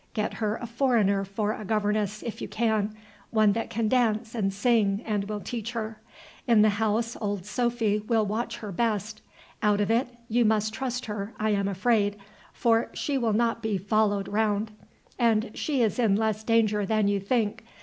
Get her a foreigner for a governess, if you can, one that can dance and sing and will teach her. In the house old Sophy will watch her best. Out of it you must trust her, I am afraid, for she will not be followed round, and she is in less danger than you think.